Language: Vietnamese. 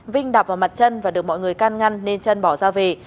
vinh đạp vào mặt trân và được mọi người can ngăn nên trân bỏ ra về